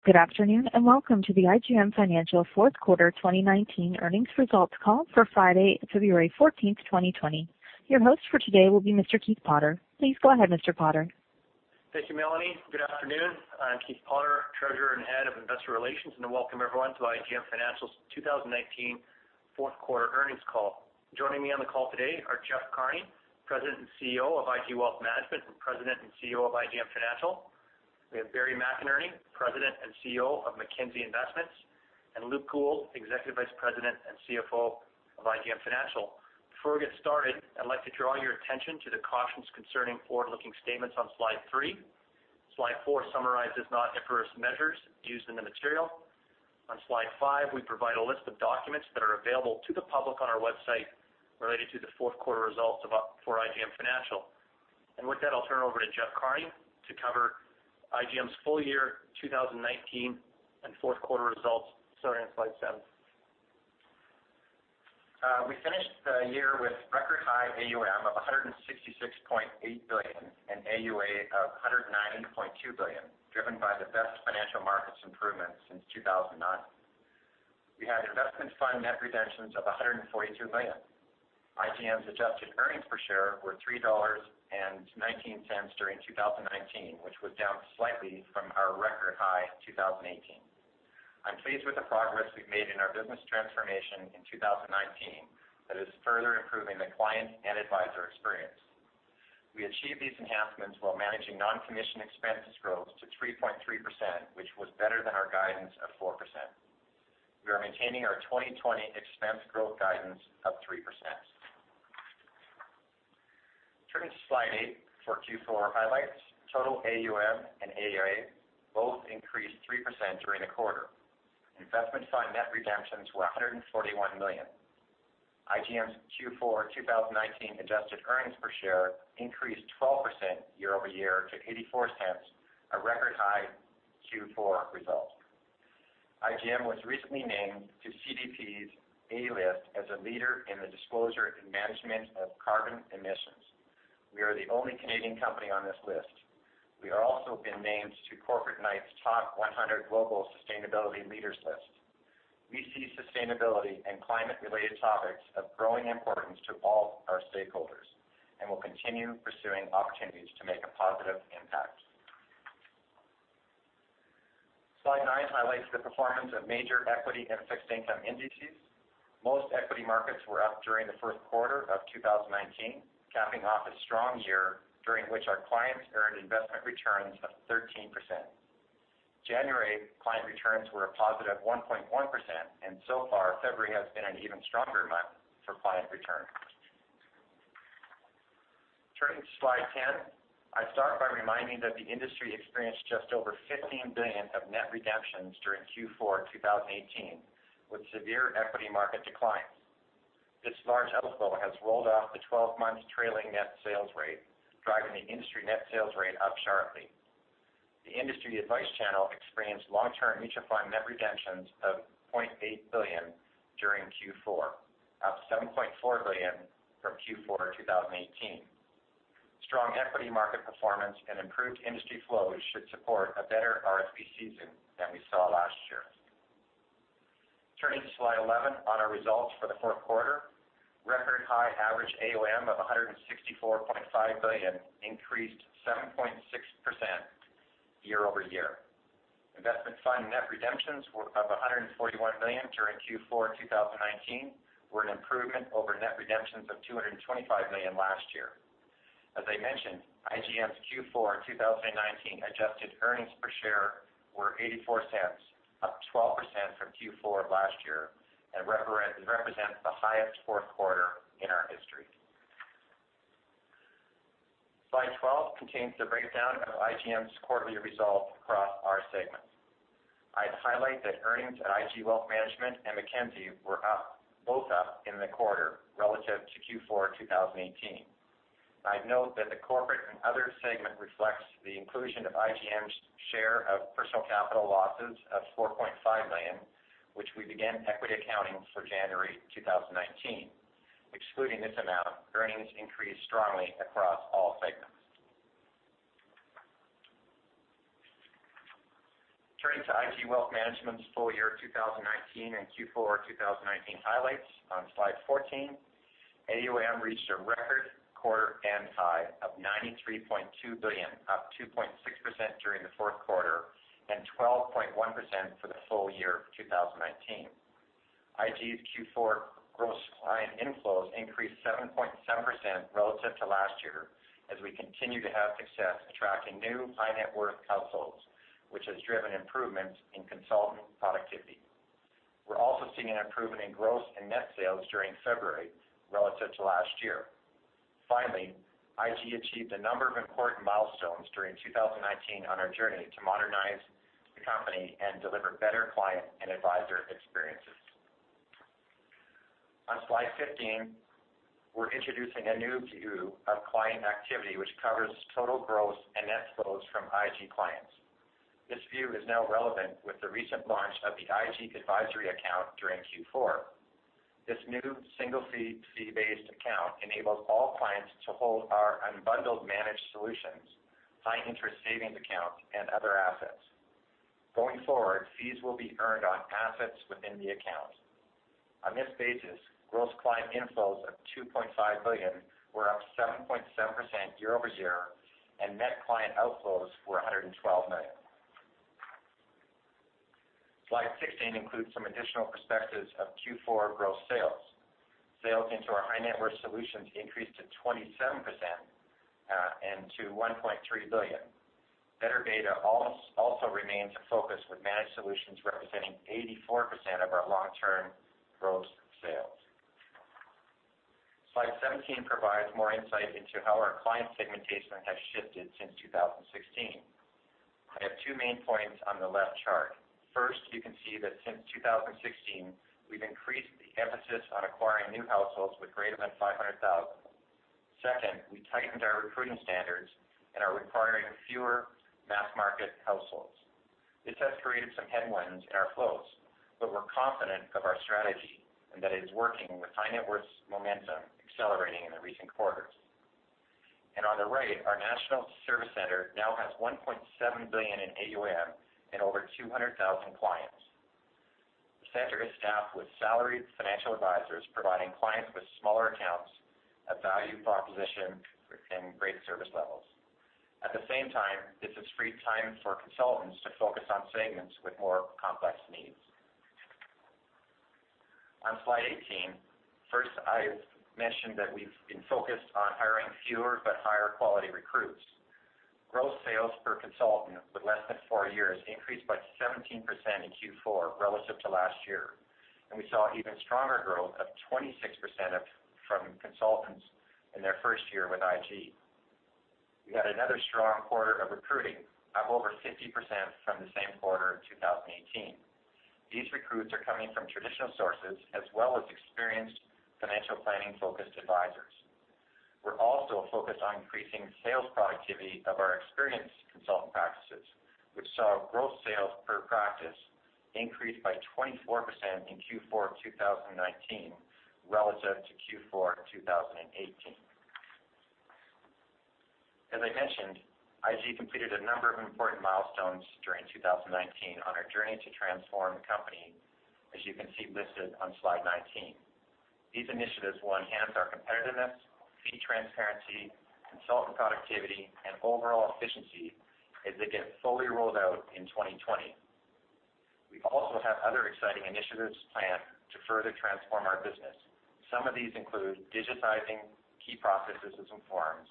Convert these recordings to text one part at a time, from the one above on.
Good afternoon, and welcome to the IGM Financial Fourth Quarter 2019 earnings results call for Friday, February 14, 2020. Your host for today will be Mr. Keith Potter. Please go ahead, Mr. Potter. Thank you, Melanie. Good afternoon. I'm Keith Potter, Treasurer and Head of Investor Relations, and welcome everyone to IGM Financial's 2019 fourth quarter earnings call. Joining me on the call today are Jeff Carney, President and CEO of IG Wealth Management and President and CEO of IGM Financial. We have Barry McInerney, President and CEO of Mackenzie Investments, and Luke Gould, Executive Vice President and CFO of IGM Financial. Before we get started, I'd like to draw your attention to the cautions concerning forward-looking statements on slide 3. Slide 4 summarizes non-IFRS measures used in the material. On slide 5, we provide a list of documents that are available to the public on our website related to the fourth quarter results of for IGM Financial. With that, I'll turn it over to Jeff Carney to cover IGM's full year 2019 and fourth quarter results, starting on slide 7. We finished the year with record high AUM of 166.8 billion and AUA of 190.2 billion, driven by the best financial markets improvement since 2009. We had investment fund net redemptions of 142 billion. IGM's adjusted earnings per share were 3.19 dollars during 2019, which was down slightly from our record high in 2018. I'm pleased with the progress we've made in our business transformation in 2019, that is further improving the client and advisor experience. We achieved these enhancements while managing non-commission expenses growth to 3.3%, which was better than our guidance of 4%. We are maintaining our 2020 expense growth guidance of 3%. Turning to slide 8 for Q4 highlights. Total AUM and AUA both increased 3% during the quarter. Investment fund net redemptions were 141 million. IGM's Q4 2019 adjusted earnings per share increased 12% year-over-year to 0.84, a record high Q4 result. IGM was recently named to CDP's A List as a leader in the disclosure and management of carbon emissions. We are the only Canadian company on this list. We are also been named to Corporate Knights' Top 100 Global Sustainability Leaders list. We see sustainability and climate-related topics of growing importance to all our stakeholders and will continue pursuing opportunities to make a positive impact. Slide 9 highlights the performance of major equity and fixed income indices. Most equity markets were up during the first quarter of 2019, capping off a strong year during which our clients earned investment returns of 13%. January client returns were a positive 1.1%, and so far, February has been an even stronger month for client returns. Turning to slide 10. I start by reminding that the industry experienced just over 15 billion of net redemptions during Q4 2018, with severe equity market declines. This large outflow has rolled off the twelve-month trailing net sales rate, driving the industry net sales rate up sharply. The industry advice channel experienced long-term mutual fund net redemptions of 0.8 billion during Q4, up 7.4 billion from Q4 2018. Strong equity market performance and improved industry flows should support a better RSP season than we saw last year. Turning to slide 11 on our results for the fourth quarter. Record high average AUM of 164.5 billion increased 7.6% year-over-year. Investment fund net redemptions were of 141 million during Q4 2019, were an improvement over net redemptions of 225 million last year. As I mentioned, IGM's Q4 2019 adjusted EPS were 0.84, up 12% from Q4 last year, and represents the highest fourth quarter in our history. Slide 12 contains the breakdown of IGM's quarterly results across our segments. I'd highlight that earnings at IG Wealth Management and Mackenzie were up, both up in the quarter relative to Q4 2018. I'd note that the corporate and other segment reflects the inclusion of IGM's share of Personal Capital losses of 4.5 million, which we began equity accounting for January 2019. Excluding this amount, earnings increased strongly across all segments. Turning to IG Wealth Management's full year 2019 and Q4 2019 highlights on slide 14. AUM reached a record quarter and high of 93.2 billion, up 2.6% during the fourth quarter and 12.1% for the full year of 2019. IG's Q4 gross client inflows increased 7.7% relative to last year, as we continue to have success attracting new high net worth households, which has driven improvements in consultant productivity. We're also seeing an improvement in gross and net sales during February relative to last year. Finally, IG achieved a number of important milestones during 2019 on our journey to modernize the company and deliver better client and advisor experiences. On slide 15, we're introducing a new view of client activity, which covers total gross and net flows from IG clients. This view is now relevant with the recent launch of the IG Advisory Account during Q4. This new single fee, fee-based account enables all clients to hold our unbundled managed solutions, high interest savings accounts, and other assets. Going forward, fees will be earned on assets within the account. On this basis, gross client inflows of 2.5 billion were up 7.7% year-over-year, and net client outflows were 112 million. Slide 16 includes some additional perspectives of Q4 gross sales. Sales into our high net worth solutions increased to 27%, and to 1.3 billion. Better data also remains a focus, with managed solutions representing 84% of our long-term gross sales. Slide 17 provides more insight into how our client segmentation has shifted since 2016. I have two main points on the left chart. First, you can see that since 2016, we've increased the emphasis on acquiring new households with greater than 500,000. Second, we tightened our recruiting standards and are acquiring fewer mass market households. This has created some headwinds in our flows, but we're confident of our strategy and that it is working with high net worth momentum accelerating in the recent quarters. And on the right, our National Service Centre now has 1.7 billion in AUM and over 200,000 clients. The center is staffed with salaried financial advisors, providing clients with smaller accounts, a value proposition, and great service levels. At the same time, this has freed time for consultants to focus on segments with more complex needs. On slide 18, first, I mentioned that we've been focused on hiring fewer but higher quality recruits. Gross sales per consultant with less than 4 years increased by 17% in Q4 relative to last year, and we saw even stronger growth of 26% from consultants in their first year with IG. We had another strong quarter of recruiting, up over 50% from the same quarter in 2018. These recruits are coming from traditional sources as well as experienced financial planning-focused advisors. We're also focused on increasing sales productivity of our experienced consultant practices, which saw gross sales per practice increase by 24% in Q4 of 2019 relative to Q4 of 2018. As I mentioned, IG completed a number of important milestones during 2019 on our journey to transform the company, as you can see listed on slide 19. These initiatives will enhance our competitiveness, fee transparency, consultant productivity, and overall efficiency as they get fully rolled out in 2020. We also have other exciting initiatives planned to further transform our business. Some of these include digitizing key processes and forms,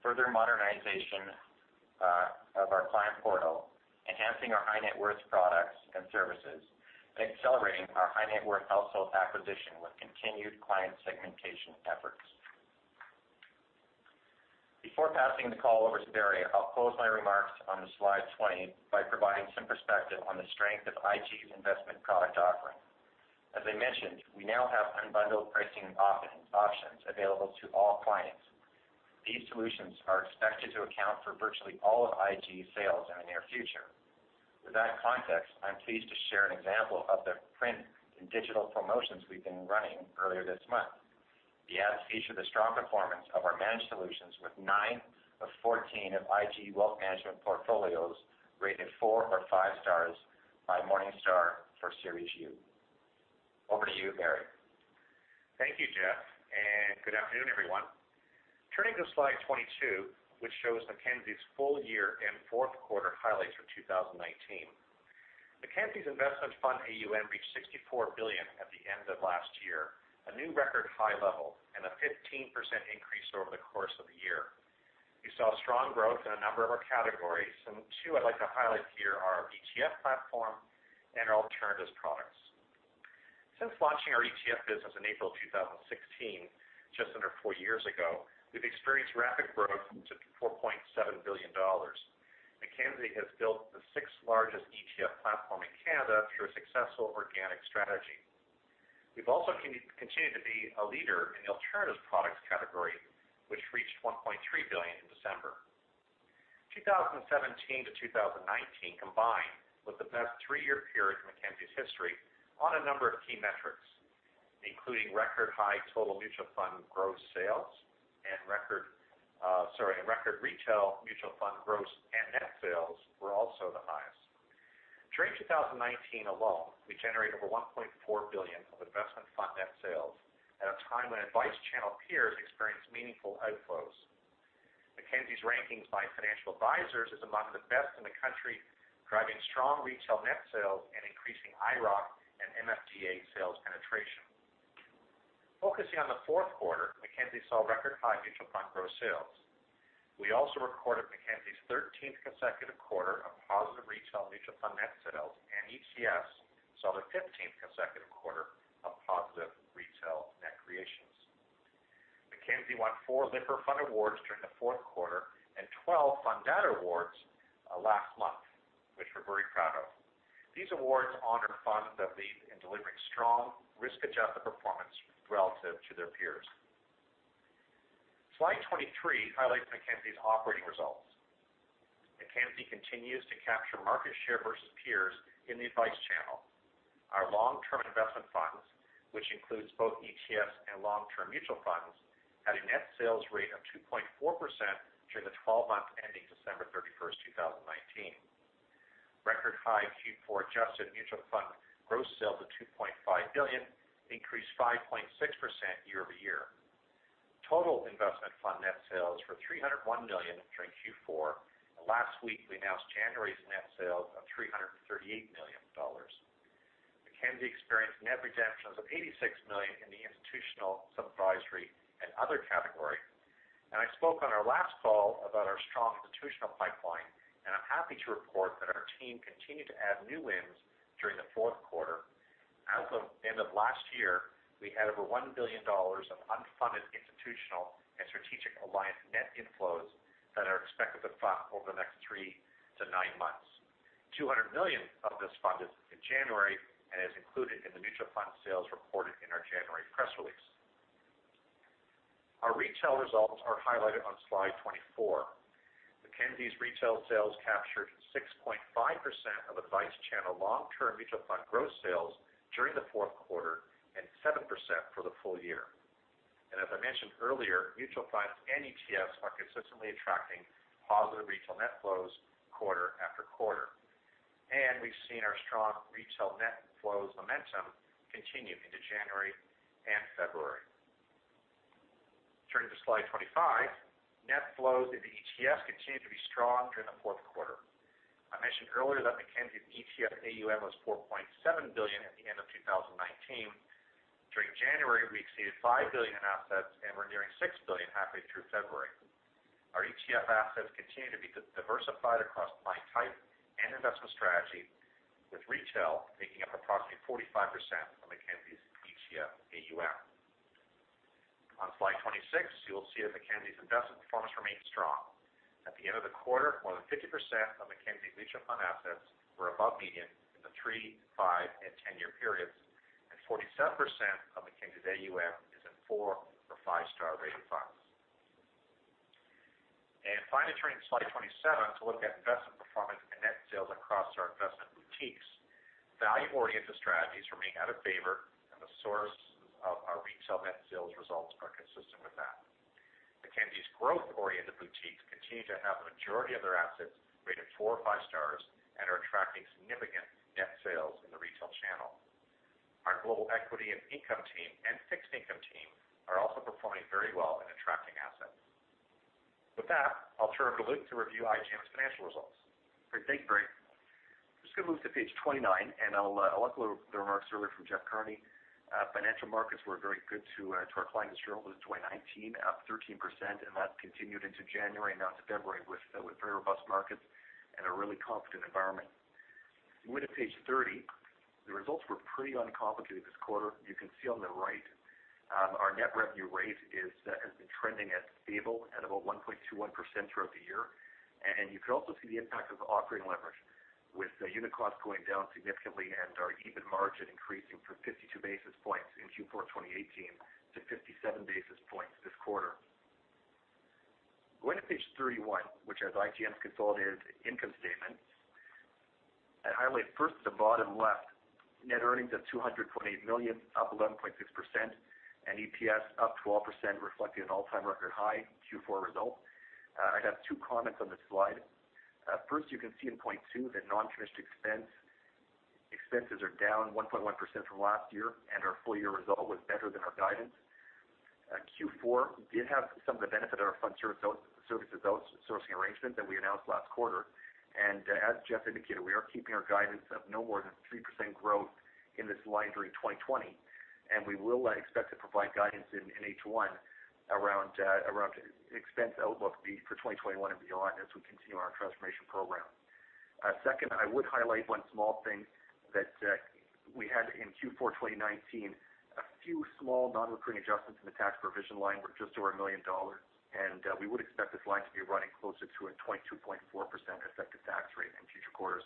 further modernization of our client portal, enhancing our high net worth products and services, and accelerating our high net worth household acquisition with continued client segmentation efforts. Before passing the call over to Barry, I'll close my remarks on slide 20 by providing some perspective on the strength of IG's investment product offering. As I mentioned, we now have unbundled pricing and options, options available to all clients. These solutions are expected to account for virtually all of IG's sales in the near future. With that context, I'm pleased to share an example of the print and digital promotions we've been running earlier this month. The ads feature the strong performance of our managed solutions, with 9 of 14 of IG Wealth Management portfolios rated 4 or 5 stars by Morningstar for Series U. Over to you, Barry. Thank you, Jeff, and good afternoon, everyone. Turning to slide 22, which shows Mackenzie's full year and fourth quarter highlights for 2019. Mackenzie's investment fund AUM reached CAD 64 billion at the end of last year, a new record high level and a 15% increase over the course of the year. We saw strong growth in a number of our categories, and two I'd like to highlight here are our ETF platform and our alternatives products. Since launching our ETF business in April 2016, just under four years ago, we've experienced rapid growth to 4.7 billion dollars. Mackenzie has built the sixth largest ETF platform in Canada through a successful organic strategy. We've also continued to be a leader in the alternatives products category, which reached 1.3 billion in December. 2017 to 2019 combined, was the best three-year period in Mackenzie's history on a number of key metrics, including record high total mutual fund gross sales and record and record retail mutual fund gross and net sales were also the highest. During 2019 alone, we generated over 1.4 billion of investment fund net sales at a time when advice channel peers experienced meaningful outflows. Mackenzie's rankings by financial advisors is among the best in the country, driving strong retail net sales and increasing IIROC and MFDA sales penetration. Focusing on the fourth quarter, Mackenzie saw record high mutual fund gross sales. We also recorded Mackenzie's 13th consecutive quarter of positive retail mutual fund net sales, and ETFs saw the 15th consecutive quarter of positive retail net creations. Mackenzie won four Lipper Fund Awards during the fourth quarter and twelve Fundata Awards, last month, which we're very proud of. These awards honor funds that lead in delivering strong, risk-adjusted performance relative to their peers.... Slide 23 highlights Mackenzie's operating results. Mackenzie continues to capture market share versus peers in the advice channel. Our long-term investment funds, which includes both ETFs and long-term mutual funds, had a net sales rate of 2.4% during the 12 months ending December 31, 2019. Record high Q4 adjusted mutual fund gross sales of 2.5 billion, increased 5.6% year-over-year. Total investment fund net sales were 301 million during Q4, and last week, we announced January's net sales of 338 million dollars. Mackenzie experienced net redemptions of 86 million in the institutional, supervisory, and other category. I spoke on our last call about our strong institutional pipeline, and I'm happy to report that our team continued to add new wins during the fourth quarter. As of end of last year, we had over 1 billion dollars of unfunded institutional and strategic alliance net inflows that are expected to fund over the next 3-9 months. 200 million of this funded in January and is included in the mutual fund sales reported in our January press release. Our retail results are highlighted on slide 24. Mackenzie's retail sales captured 6.5% of advice channel long-term mutual fund gross sales during the fourth quarter, and 7% for the full year. As I mentioned earlier, mutual funds and ETFs are consistently attracting positive retail net flows quarter after quarter. And we've seen our strong retail net flows momentum continue into January and February. Turning to slide 25, net flows into ETFs continued to be strong during the fourth quarter. I mentioned earlier that Mackenzie's ETF AUM was 4.7 billion at the end of 2019. During January, we exceeded 5 billion in assets, and we're nearing 6 billion halfway through February. Our ETF assets continue to be diversified across client type and investment strategy, with retail making up approximately 45% of Mackenzie's ETF AUM. On slide 26, you will see that Mackenzie's investment performance remains strong. At the end of the quarter, more than 50% of Mackenzie's mutual fund assets were above median in the 3-, 5-, and 10-year periods, and 47% of Mackenzie's AUM is in 4- or 5-star rated funds. And finally, turning to slide 27, to look at investment performance and net sales across our investment boutiques. Value-oriented strategies remain out of favor, and the source of our retail net sales results are consistent with that. Mackenzie's growth-oriented boutiques continue to have the majority of their assets rated 4 or 5 stars and are attracting significant net sales in the retail channel. Our global equity and income team and fixed income team are also performing very well in attracting assets. With that, I'll turn it over to Luke to review IGM's financial results. Great. Thank you, Barry. Just going to move to page 29, and I'll echo the remarks earlier from Jeff Carney. Financial markets were very good to our clients this year, it was 2019, up 13%, and that continued into January, now to February, with very robust markets and a really confident environment. Going to page 30, the results were pretty uncomplicated this quarter. You can see on the right, our net revenue rate has been trending stable at about 1.21% throughout the year. And you can also see the impact of the operating leverage, with the unit costs going down significantly and our EBITDA margin increasing from 52 basis points in Q4 2018 to 57 basis points this quarter. Going to page 31, which has IGM's consolidated income statement. I highlight first at the bottom left, net earnings of 228 million, up 11.6%, and EPS up 12%, reflecting an all-time record high Q4 result. I have two comments on this slide. First, you can see in point two, that non-commissioned expenses are down 1.1% from last year, and our full year result was better than our guidance. Q4 did have some of the benefit of our fund services outsourcing arrangement that we announced last quarter. And as Jeff indicated, we are keeping our guidance of no more than 3% growth in this line during 2020, and we will expect to provide guidance in H1 around expense outlook for 2021 and beyond, as we continue our transformation program. Second, I would highlight one small thing that we had in Q4 2019, a few small non-recurring adjustments in the tax provision line were just over 1 million dollars, and we would expect this line to be running closer to a 22.4% effective tax rate in future quarters.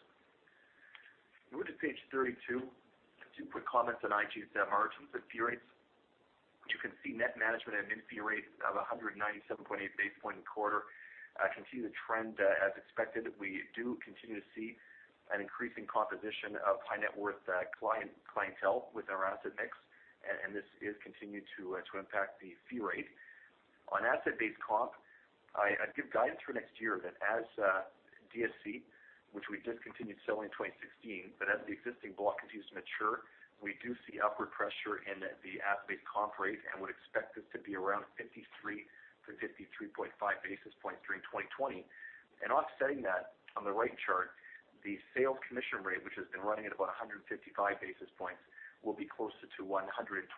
Moving to page 32, two quick comments on IGM's margins and fee rates. You can see net management and fee rates of 197.8 basis points in the quarter, continue the trend as expected. We do continue to see an increasing composition of high net worth clientele with our asset mix, and this is continued to impact the fee rate. On asset-based comp, I give guidance for next year that as DSC, which we discontinued selling in 2016, but as the existing block continues to mature, we do see upward pressure in the asset-based comp rate and would expect this to be around 53-53.5 basis points during 2020. Offsetting that, on the right chart, the sales commission rate, which has been running at about 155 basis points, will be closer to 125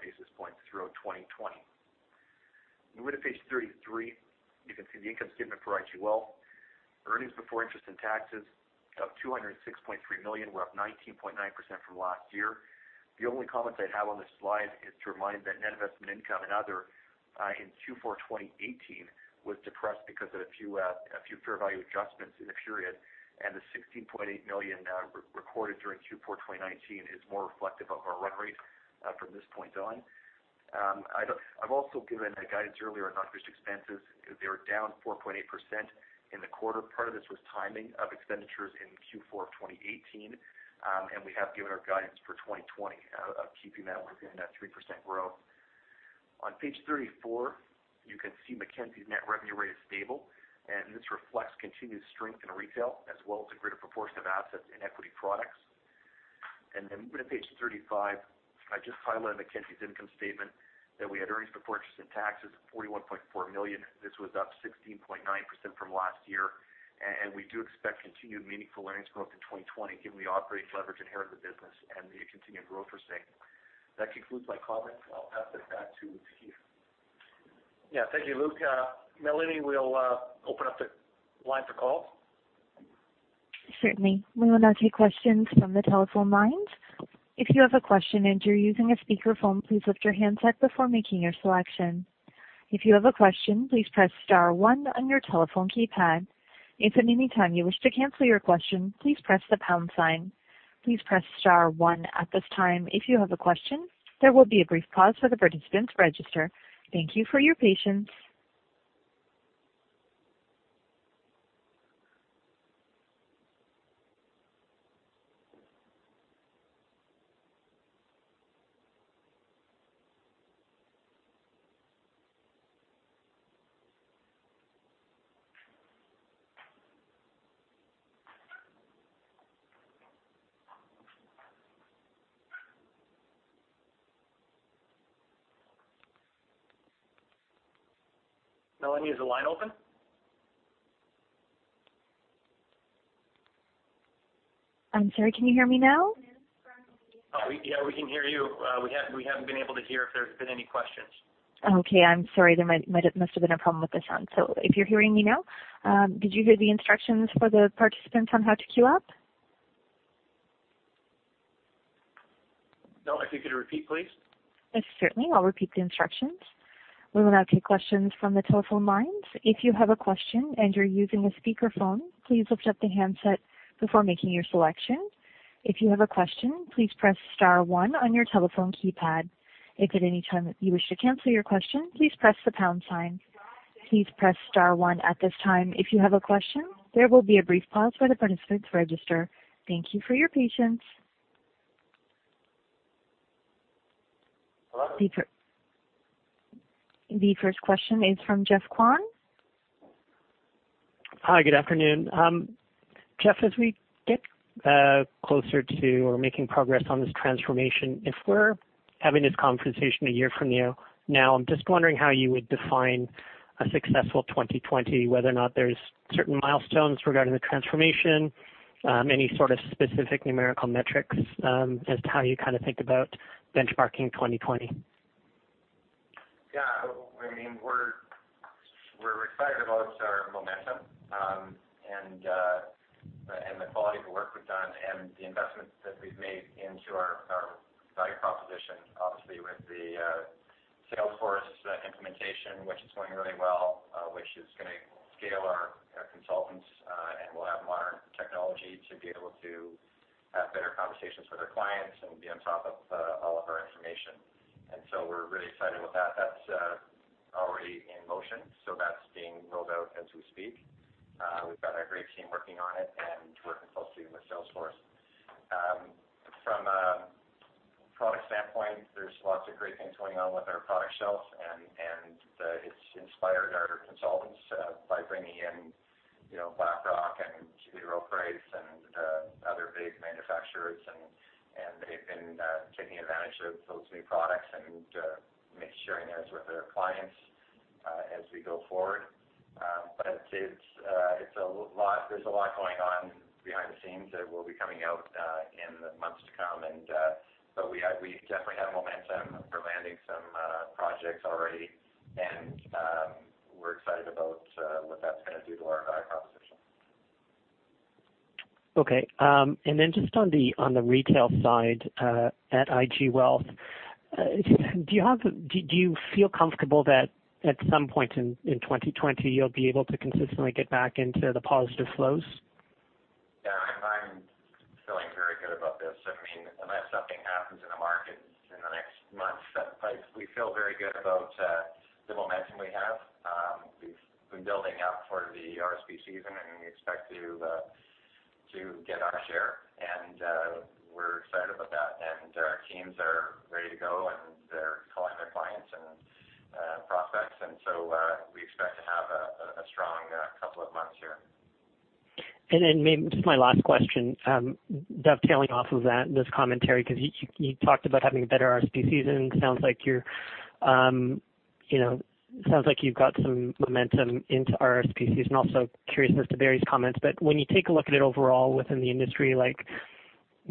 basis points throughout 2020. Moving to page 33, you can see the income statement for IG. Earnings before interest and taxes of 206.3 million were up 19.9% from last year. The only comments I'd have on this slide is to remind that net investment income and other, in Q4 2018-... was depressed because of a few, a few fair value adjustments in the period, and the 16.8 million recorded during Q4 2019 is more reflective of our run rate from this point on. I've also given a guidance earlier on non-cash expenses. They were down 4.8% in the quarter. Part of this was timing of expenditures in Q4 of 2018, and we have given our guidance for 2020 of keeping that within that 3% growth. On page 34, you can see Mackenzie's net revenue rate is stable, and this reflects continued strength in retail as well as a greater proportion of assets in equity products. And then moving to page 35, I just highlighted Mackenzie's income statement that we had earnings before interest and taxes of 41.4 million. This was up 16.9% from last year, and we do expect continued meaningful earnings growth in 2020, given the operating leverage inherent in the business and the continued growth we're seeing. That concludes my comments. I'll pass it back to Keith. Yeah, thank you, Luke. Melanie, we'll open up the line for calls. Certainly. We will now take questions from the telephone lines. If you have a question and you're using a speakerphone, please lift your handset before making your selection. If you have a question, please press star one on your telephone keypad. If at any time you wish to cancel your question, please press the pound sign. Please press star one at this time if you have a question. There will be a brief pause for the participants register. Thank you for your patience. Melanie, is the line open? I'm sorry, can you hear me now? Yeah, we can hear you. We have, we haven't been able to hear if there's been any questions. Okay, I'm sorry. There must have been a problem with the sound. So if you're hearing me now, did you hear the instructions for the participants on how to queue up? No. If you could repeat, please. Yes, certainly. I'll repeat the instructions. We will now take questions from the telephone lines. If you have a question and you're using a speakerphone, please lift up the handset before making your selection. If you have a question, please press star one on your telephone keypad. If at any time you wish to cancel your question, please press the pound sign. Please press star one at this time if you have a question. There will be a brief pause for the participants register. Thank you for your patience. The first question is from Geoff Kwan. Hi, good afternoon. Jeff, as we get closer to or making progress on this transformation, if we're having this conversation a year from now, I'm just wondering how you would define a successful 2020, whether or not there's certain milestones regarding the transformation, any sort of specific numerical metrics, as to how you kind of think about benchmarking 2020? Yeah. I mean, we're excited about our momentum and the quality of the work we've done and the investments that we've made into our value proposition, obviously, with the Salesforce implementation, which is going really well, which is gonna scale our consultants and we'll have modern technology to be able to have better conversations with our clients and be on top of all of our information. And so we're really excited with that. That's already in motion, so that's being rolled out as we speak. We've got a great team working on it and working closely with Salesforce. From a product standpoint, there's lots of great things going on with our product shelf, and it's inspired our consultants by bringing in, you know, BlackRock and T. Rowe Price and other big manufacturers. They've been taking advantage of those new products and sharing those with their clients as we go forward. But it's a lot. There's a lot going on behind the scenes that will be coming out in the months to come. But we definitely have momentum. We're landing some projects already, and we're excited about what that's gonna do to our value proposition. Okay. And then just on the retail side, at IG Wealth, do you feel comfortable that at some point in 2020, you'll be able to consistently get back into the positive flows? Yeah, I'm feeling very good about this. I mean, unless something happens in the market in the next month, but we feel very good about the momentum we have. We've been building out for the RSP season, and we expect to get our share, and we're excited about that. And our teams are ready to go, and they're calling their clients and prospects, and so we expect to have a strong couple of months here. And then maybe, just my last question, dovetailing off of that, this commentary, because you, you talked about having a better RSP season, and it sounds like you're, you know, sounds like you've got some momentum into RSP season. Also curious as to Barry's comments, but when you take a look at it overall within the industry, like,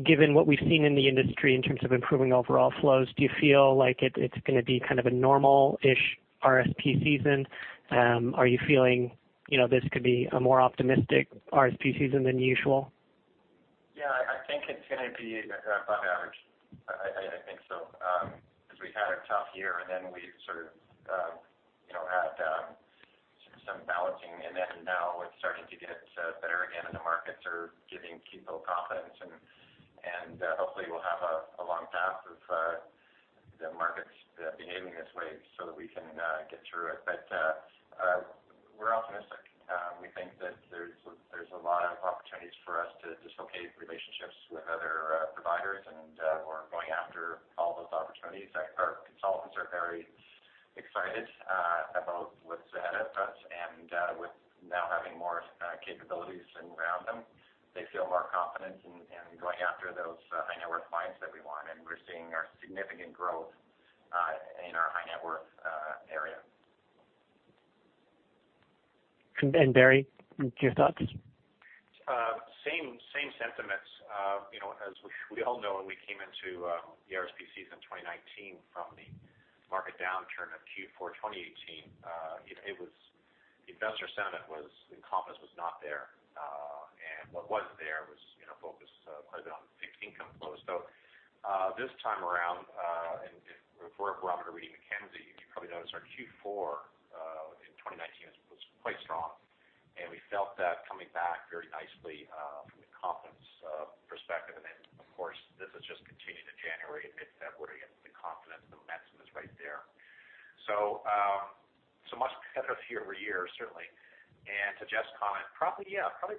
given what we've seen in the industry in terms of improving overall flows, do you feel like it, it's gonna be kind of a normal-ish RSP season? Are you feeling, you know, this could be a more optimistic RSP season than usual?... Yeah, I think it's going to be above average. I think so, because we had a tough year, and then we sort of you know, had some balancing. And then now it's starting to get better again, and the markets are giving people confidence. And hopefully we'll have a long path of the markets behaving this way so that we can get through it.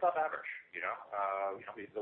Same, same sentiments. You know, as we all know, when we came into the RSP season in 2019 from the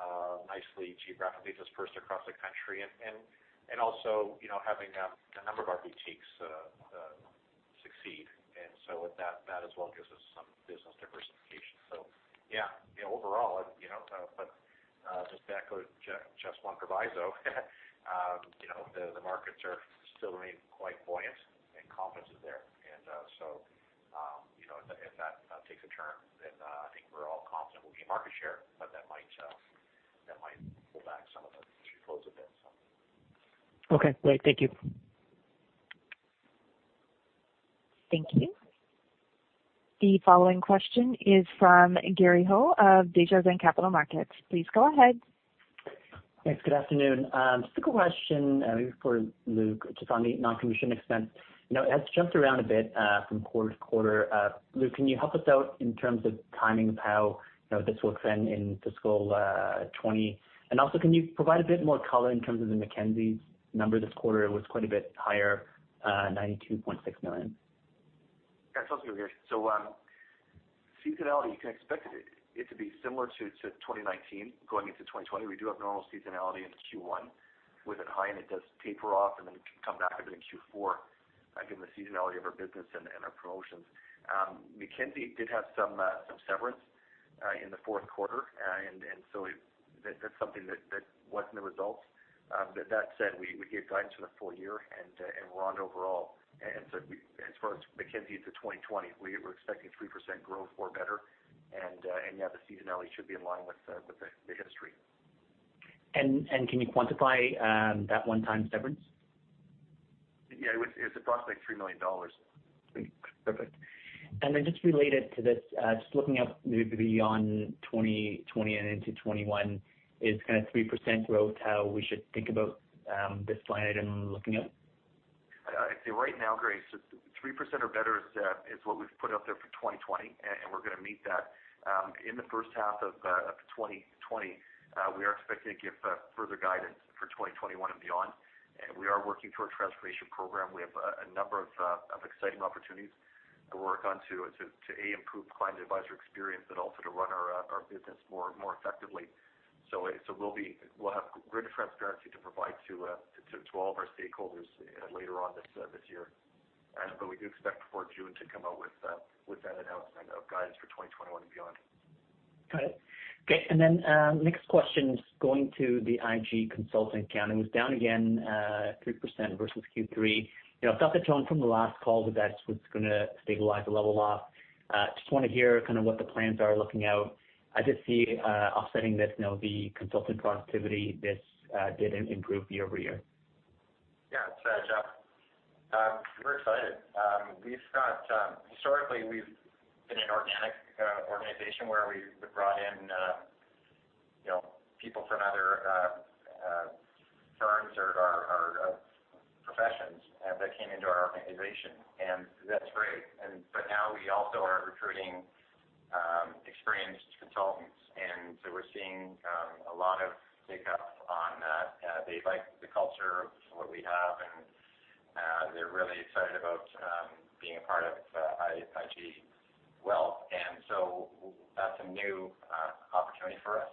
ETFs, and nicely geographically dispersed across the country. And also, you know, having a number of our boutiques succeed. And so with that as well gives us some business diversification. So yeah, you know, overall, you know, but just to echo Jeff, just one proviso, you know, the markets are still remaining quite buoyant and confidence is there. And, so, you know, if that takes a turn, then, I think we're all confident we'll gain market share, but that might, that might pull back some of the flows a bit, so. Okay, great. Thank you. Thank you. The following question is from Gary Ho of Desjardins Capital Markets. Please go ahead. Thanks. Good afternoon. Just a question for Luke, just on the non-commission expense. You know, it has jumped around a bit from quarter to quarter. Luke, can you help us out in terms of timing of how, you know, this will trend in fiscal 2020? And also, can you provide a bit more color in terms of the Mackenzie number this quarter? It was quite a bit higher, 92.6 million. Yeah. Sounds good, Gary. So, seasonality, you can expect it to be similar to 2019 going into 2020. We do have normal seasonality into Q1, with it high, and it does taper off, and then come back a bit in Q4, again, the seasonality of our business and our promotions. Mackenzie did have some severance in the fourth quarter. And so that's something that was in the results. But that said, we gave guidance for the full year and we're on overall. And so as far as Mackenzie into 2020, we're expecting 3% growth or better. And yeah, the seasonality should be in line with the history. Can you quantify that one-time severance? Yeah, it was, it's approximately 3 million dollars. Perfect. And then just related to this, just looking out maybe beyond 2020 and into 2021, is kind of 3% growth how we should think about this line item looking out? I'd say right now, Gary, so 3% or better is what we've put out there for 2020, and we're going to meet that. In the first half of 2020, we are expecting to give further guidance for 2021 and beyond. And we are working through our transformation program. We have a number of exciting opportunities to work on to improve client advisor experience, but also to run our business more effectively. So we'll have greater transparency to provide to all of our stakeholders later on this year. But we do expect before June to come out with that announcement of guidance for 2021 and beyond. Got it. Okay, and then next question is going to the IG consultant count. It was down again three percent versus Q3. You know, I thought the tone from the last call that that's what's going to stabilize the level off. Just want to hear kind of what the plans are looking out. I just see offsetting this, you know, the consultant productivity; this did improve year-over-year. Yeah, it's Jeff. We're excited. We've got... historically, we've been an organic organization where we've brought in, you know, people from other-... that came into our organization, and that's great. And but now we also are recruiting experienced consultants, and so we're seeing a lot of pickup on that. They like the culture of what we have, and they're really excited about being a part of IG Wealth. And so that's a new opportunity for us.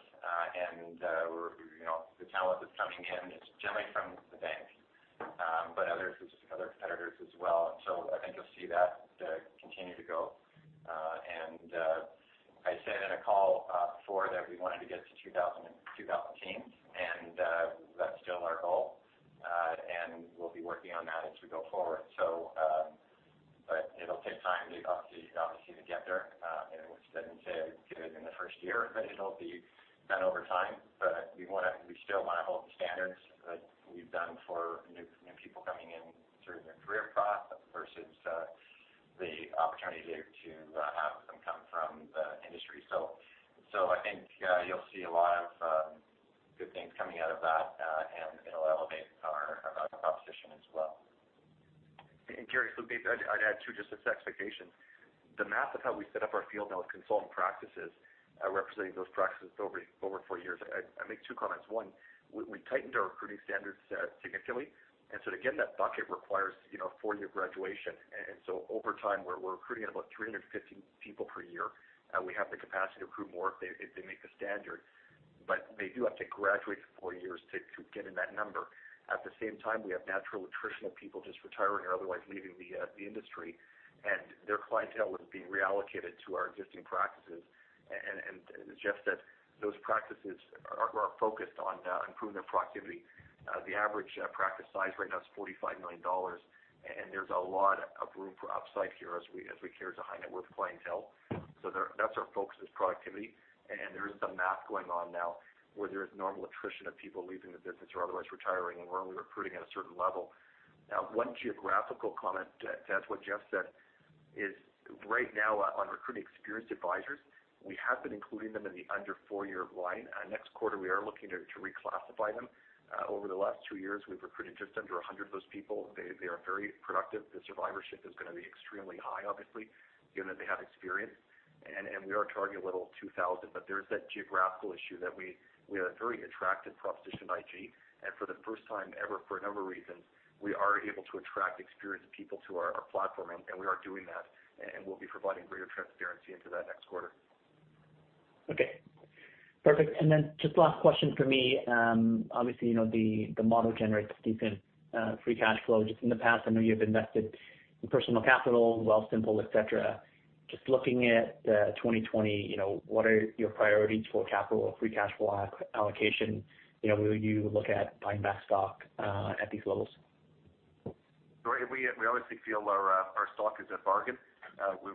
And we're, you know, the talent that's coming in is generally from the bank, but others, other competitors as well. So I think you'll see that continue to go. And I said in a call before that we wanted to get to 2,000 in 2018, and that's still our goal. And we'll be working on that as we go forward. So, but it'll take time obviously to get there, and which doesn't say do it in the first year, but it'll be done over time. But we still wanna hold the standards that we've done for new people coming in through the career path versus the opportunity to have them come from the industry. So I think you'll see a lot of good things coming out of that, and it'll elevate our proposition as well. And Gary, so maybe I'd add too, just set expectations. The math of how we set up our field now with consultant practices, representing those practices over four years, I make two comments. One, we tightened our recruiting standards significantly. And so to get in that bucket requires, you know, a four-year graduation. And so over time, we're recruiting about 350 people per year, and we have the capacity to recruit more if they make the standard. But they do have to graduate in four years to get in that number. At the same time, we have natural attrition of people just retiring or otherwise leaving the industry, and their clientele is being reallocated to our existing practices. And Jeff said, those practices are focused on improving their productivity. The average practice size right now is 45 million dollars, and there's a lot of room for upside here as we, as we cater to high net worth clientele. So, that's our focus, is productivity. And there is some math going on now, where there is normal attrition of people leaving the business or otherwise retiring, and we're only recruiting at a certain level. Now, one geographical comment to add to what Jeff said is right now on recruiting experienced advisors, we have been including them in the under four-year line. Next quarter, we are looking to reclassify them. Over the last 2 years, we've recruited just under 100 of those people. They are very productive. The survivorship is gonna be extremely high, obviously, given that they have experience. We are targeting a little over 2,000, but there's that geographical issue that we have a very attractive proposition at IG, and for the first time ever for a number of reasons, we are able to attract experienced people to our platform, and we'll be providing greater transparency into that next quarter. Okay, perfect. And then just last question for me. Obviously, you know, the model generates decent free cash flow. Just in the past, I know you have invested in Personal Capital, Wealthsimple, et cetera. Just looking at 2020, you know, what are your priorities for capital or free cash flow allocation? You know, will you look at buying back stock at these levels? Right, we obviously feel our stock is a bargain.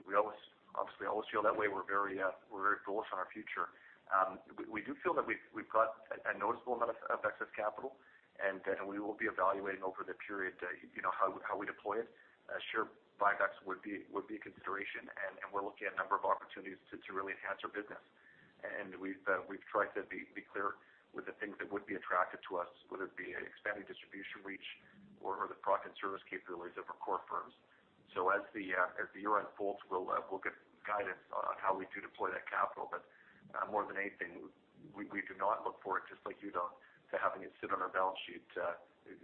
We always obviously always feel that way. We're very bullish on our future. We do feel that we've got a noticeable amount of excess capital, and we will be evaluating over the period, you know, how we deploy it. Share buybacks would be a consideration, and we're looking at a number of opportunities to really enhance our business. And we've tried to be clear with the things that would be attractive to us, whether it be expanding distribution reach or the product and service capabilities of our core firms. So as the year unfolds, we'll give guidance on how we do deploy that capital, but more than anything, we do not look for it, just like you don't, to having it sit on our balance sheet,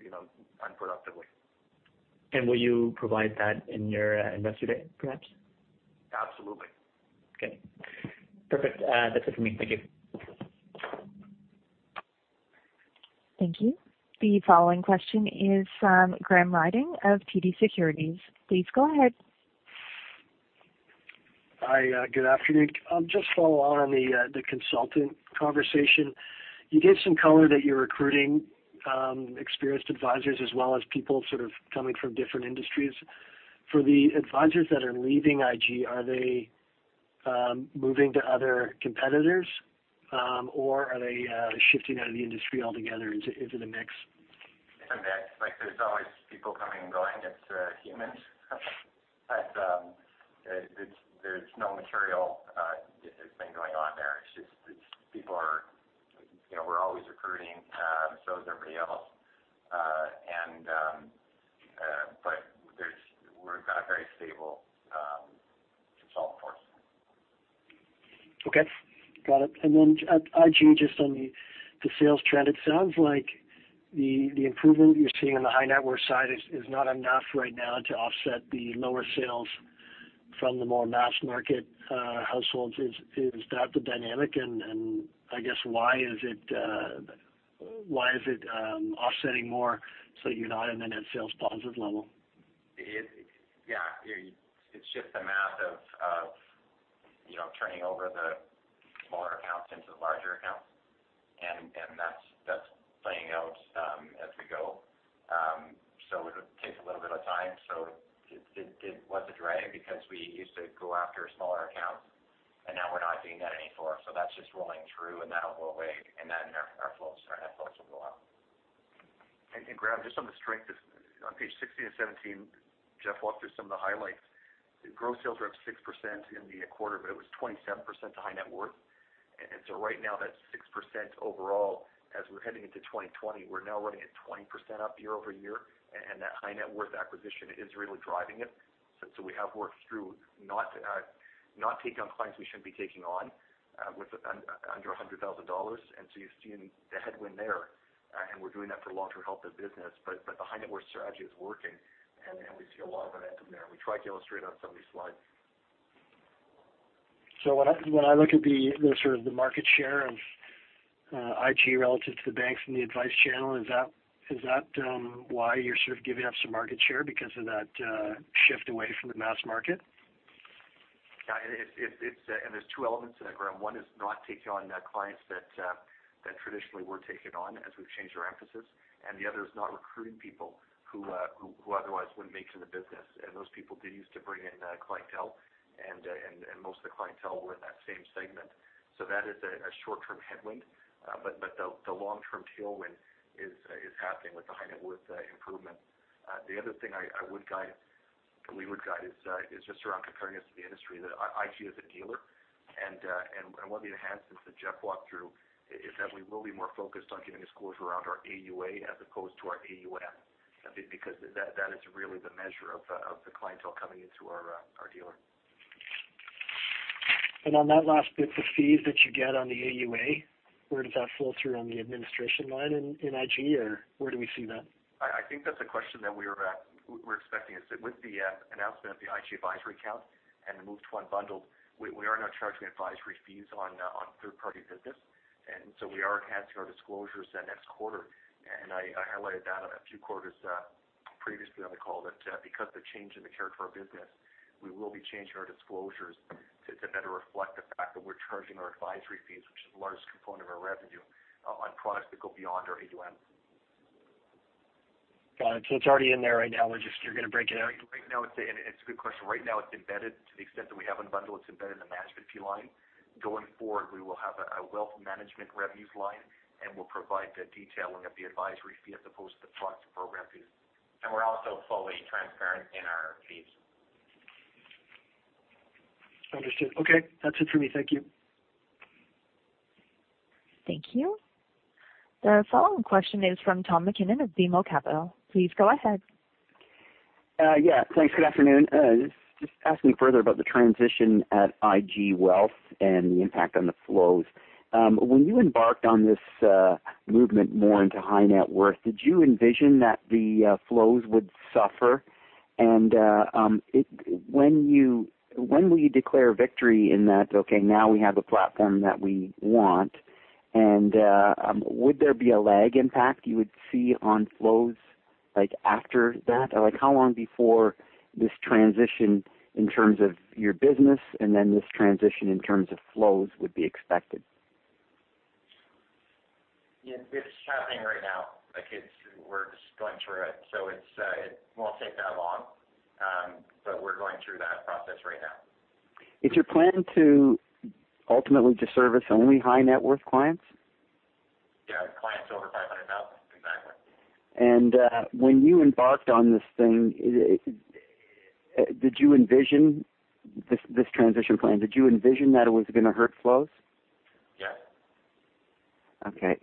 you know, unproductively. Will you provide that in your Investor Day, perhaps? Absolutely. Okay, perfect. That's it for me. Thank you. Thank you. The following question is from Graham Ryding of TD Securities. Please go ahead. Hi, good afternoon. Just follow on the consultant conversation. You gave some color that you're recruiting experienced advisors as well as people sort of coming from different industries. For the advisors that are leaving IG, are they moving to other competitors or are they shifting out of the industry altogether into the mix? That, like, there's always people coming and going, it's humans. But there's no material thing going on there. It's just people are, you know, we're always recruiting, so is everybody else. But we've got a very stable consultant force. Okay, got it. And then IG, just on the, the sales trend, it sounds like the, the improvement you're seeing on the high net worth side is, is not enough right now to offset the lower sales from the more mass market households. Is, is that the dynamic? And, and I guess why is it, why is it offsetting more, so you're not in a net sales positive level? Yeah, it's just the math of you know, turning over the smaller accounts into larger accounts, and that's playing out as we go. So it takes a little bit of time. So it was a drag because we used to go after smaller accounts, and now we're not doing that anymore. So that's just rolling through, and that'll go away, and then our flows, our net flows will go up. And Graham, just on the strength of on page 16 and 17, Jeff walked through some of the highlights. The gross sales were up 6% in the quarter, but it was 27% to high net worth. And so right now that's 6% overall. As we're heading into 2020, we're now running at 20% up year-over-year, and that high net worth acquisition is really driving it. So we have worked through not taking on clients we shouldn't be taking on with under 100,000 dollars. And so you've seen the headwind there, and we're doing that for the long-term health of the business. But the high net worth strategy is working, and we see a lot of momentum there. We tried to illustrate on some of these slides. So when I look at the sort of the market share of IG relative to the banks and the advice channel, is that why you're sort of giving up some market share because of that shift away from the mass market? Yeah, it's, and there's two elements to that, Graham. One is not taking on clients that traditionally we're taking on as we've changed our emphasis, and the other is not recruiting people who otherwise would make it in the business. And those people did used to bring in clientele, and most of the clientele were in that same segment. So that is a short-term headwind, but the long-term tailwind is happening with the high net worth improvement. The other thing we would guide is just around comparing us to the industry, the IG as a dealer. And one of the enhancements that Jeff walked through is that we will be more focused on giving disclosures around our AUA as opposed to our AUM. Because that is really the measure of the clientele coming into our dealer. On that last bit, the fees that you get on the AUA, where does that flow through on the administration line in IG, or where do we see that? I think that's a question that we were expecting. It's with the announcement of the IG Advisory Account and the move to unbundled, we are now charging advisory fees on third-party business, and so we are enhancing our disclosures the next quarter. And I highlighted that on a few quarters previously on the call, that because the change in the character of our business, we will be changing our disclosures to better reflect the fact that we're charging our advisory fees, which is the largest component of our revenue, on products that go beyond our AUM. Got it. So it's already in there right now, we're just- you're going to break it out? Right now, it's and it's a good question. Right now, it's embedded to the extent that we have unbundled, it's embedded in the management fee line. Going forward, we will have a wealth management revenues line, and we'll provide the detailing of the advisory fee as opposed to the product program fee. We're also fully transparent in our fees. Understood. Okay. That's it for me. Thank you. Thank you. The following question is from Tom MacKinnon of BMO Capital. Please go ahead. Yeah, thanks. Good afternoon. Just asking further about the transition at IG Wealth and the impact on the flows. When you embarked on this movement more into high net worth, did you envision that the flows would suffer? And when will you declare victory in that, "Okay, now we have the platform that we want," and would there be a lag impact you would see on flows, like, after that? Like, how long before this transition in terms of your business, and then this transition in terms of flows would be expected? Yeah, it's happening right now. Like, it's, we're just going through it, so it's, it won't take that long. But we're going through that process right now. Is your plan to ultimately service only high net worth clients? Yeah, clients over 500,000. Exactly. When you embarked on this thing, did you envision this, this transition plan? Did you envision that it was going to hurt flows? Yeah. Okay,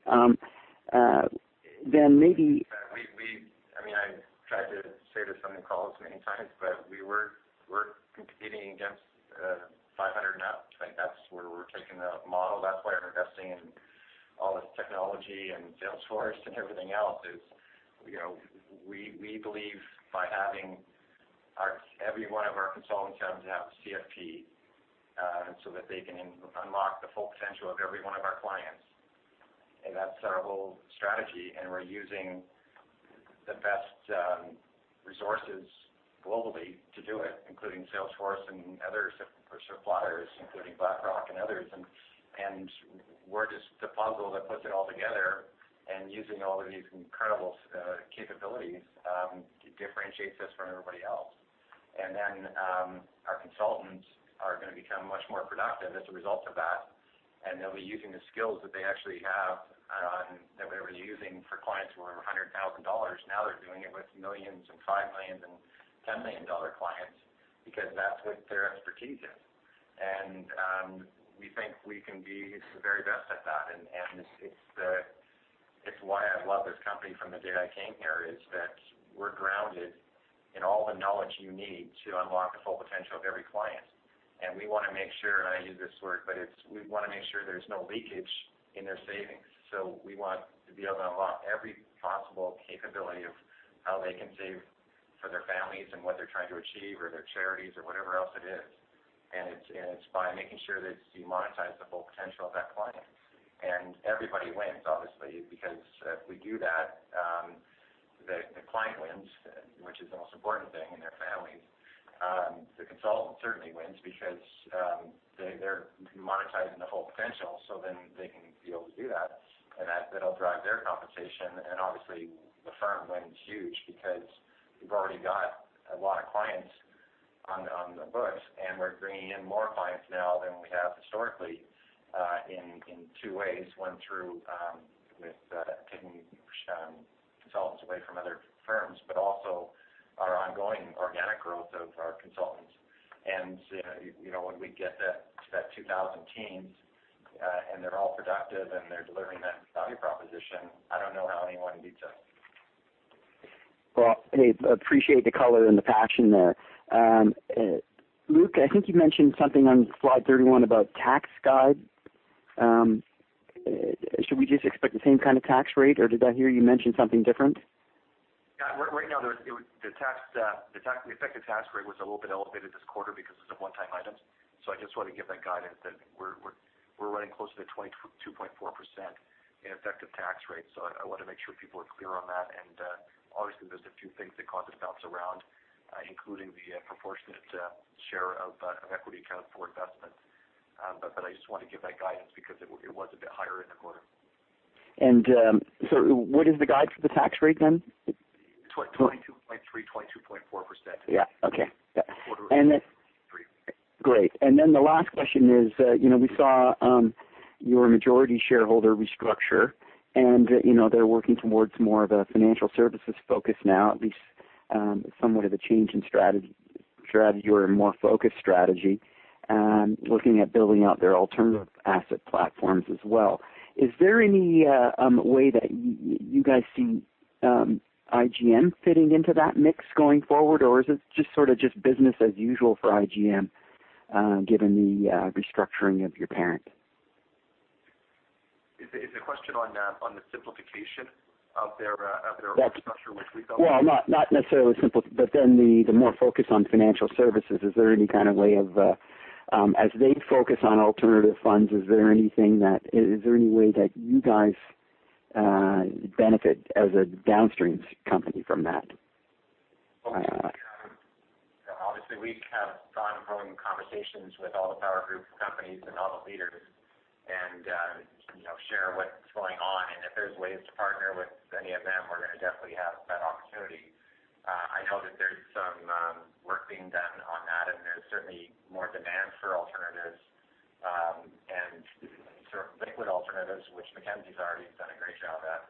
then maybe- I mean, I've tried to say this on the calls many times, but we're competing against 500 now. I think that's where we're taking the model. That's why we're investing in all this technology and Salesforce and everything else, is, you know, we believe by having our every one of our consultants have a CFP, so that they can unlock the full potential of every one of our clients. And that's our whole strategy, and we're using the best resources globally to do it, including Salesforce and other suppliers, including BlackRock and others. And we're just the puzzle that puts it all together and using all of these incredible capabilities differentiates us from everybody else. Then, our consultants are going to become much more productive as a result of that, and they'll be using the skills that they actually have that we're using for clients who are over 100,000 dollars. Now they're doing it with millions and 5 million and 10 million dollar clients, because that's what their expertise is. And we think we can be the very best at that. And it's why I love this company from the day I came here, is that we're grounded in all the knowledge you need to unlock the full potential of every client. And we want to make sure, and I use this word, but it's we want to make sure there's no leakage in their savings. So we want to be able to unlock every possible capability of how they can save for their families and what they're trying to achieve, or their charities or whatever else it is. And it's by making sure that you monetize the full potential of that client. And everybody wins, obviously, because if we do that, the client wins, which is the most important thing, and their families. The consultant certainly wins because they're monetizing the whole potential, so then they can be able to do that, and that'll drive their compensation. And obviously, the firm wins huge because we've already got a lot of clients on the books, and we're bringing in more clients now than we have historically in two ways. taking consultants away from other firms, but also our ongoing organic growth of our consultants. You know, when we get that 2,000 teams, and they're all productive, and they're delivering that value proposition, I don't know how anyone beats us. Well, I appreciate the color and the passion there. Luke, I think you mentioned something on slide 31 about tax guidance. Should we just expect the same kind of tax rate, or did I hear you mention something different? Yeah, right, right now, the effective tax rate was a little bit elevated this quarter because of some one-time items. So I just want to give that guidance that we're running closer to 22.4% in effective tax rate. So I want to make sure people are clear on that. And obviously, there's a few things that cause it to bounce around, including the proportionate share of equity account for investment. But I just want to give that guidance because it was a bit higher in the quarter. What is the guide for the tax rate then? 22.3%-22.4%. Yeah. Okay. Quarter three. Great. And then the last question is, you know, we saw your majority shareholder restructure, and, you know, they're working towards more of a financial services focus now, at least, somewhat of a change in strategy or a more focused strategy, looking at building out their alternative asset platforms as well. Is there any way that you guys see IGM fitting into that mix going forward, or is it just sort of business as usual for IGM, given the restructuring of your parent? Is the question on the simplification of their structure, which we thought- Well, not necessarily simple, but then the more focus on financial services, is there any kind of way of, as they focus on alternative funds, is there anything that, is there any way that you guys benefit as a downstream company from that? Obviously, we have ongoing conversations with all of our group companies and all the leaders and, you know, share what's going on, and if there's ways to partner with any of them, we're going to definitely have that opportunity. I know that there's some work being done on that, and there's certainly more demand for alternatives, and sort of liquid alternatives, which Mackenzie's already done a great job at.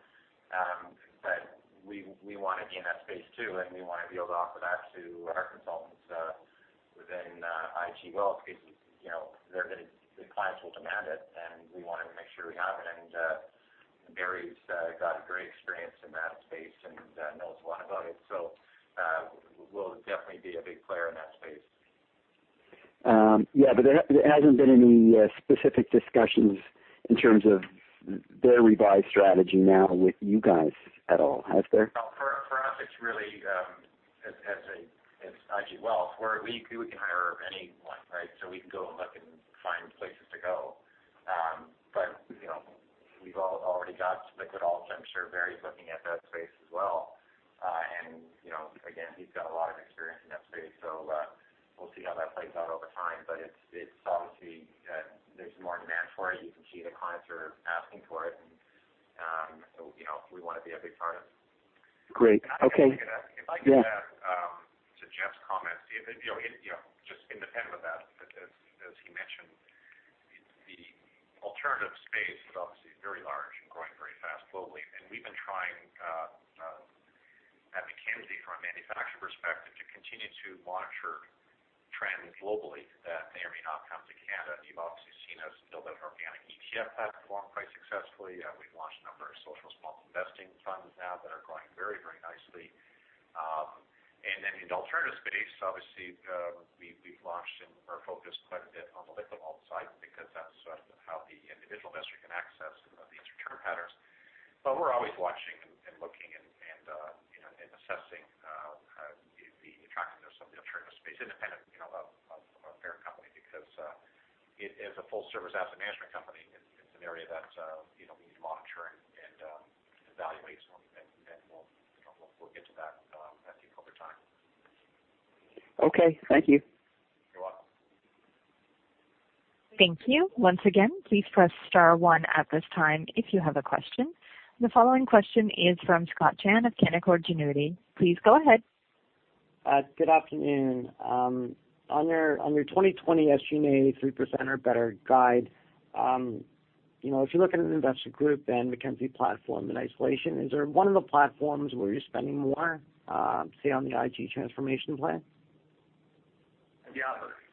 But we, we want to be in that space, too, and we want to be able to offer that to our consultants within IG Wealth because, you know, they're going to—the clients will demand it, and we want to make sure we have it. Barry's got a great experience in that space and knows a lot about it, so we'll definitely be a big player in that space. Yeah, but there hasn't been any specific discussions in terms of their revised strategy now with you guys at all, has there? Well, for us, it's really, as IG Wealth, where we can hire anyone, right? So we can go and look and find places to go. But, you know, we've already got liquid alt, I'm sure Barry's looking at that space as well. And, you know, again, he's got a lot of experience in that space, so, we'll see how that plays out over time. But it's obviously, there's more demand for it. You can see the clients are asking for it, and, so, you know, we want to be a big part of it. Great. Okay. If I can add, Yeah. To Jeff's comments, you know, just independent of that, as he mentioned, the alternative space is obviously very large and growing very fast globally. And we've been trying at Mackenzie, from a manufacturer perspective, to continue to monitor trends globally that may or may not come to Canada. You've obviously seen us build an organic ETF platform quite successfully. We've launched a number of socially responsible investing funds now that are growing very, very nicely. And then in the alternative space, obviously, we've launched and are focused quite a bit on the liquid alts side because that's sort of how the individual investor can access these return patterns. But we're always watching and looking and, you know, assessing the attractiveness of the alternative space, independent, you know, of our parent company, because it as a full service asset management company, it's an area that, you know, we need to monitor and evaluate, and we'll, you know, we'll get to that, I think, over time. Okay. Thank you. You're welcome. Thank you. Once again, please press star one at this time if you have a question. The following question is from Scott Chan of Canaccord Genuity. Please go ahead. Good afternoon. On your 2020 SG&A 3% or better guide, you know, if you look at an IGM and Mackenzie platform in isolation, is there one of the platforms where you're spending more, say, on the IG transformation plan? Yeah,